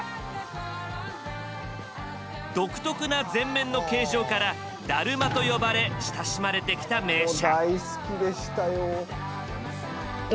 独特な前面の形状から「だるま」と呼ばれ親しまれてきた名車。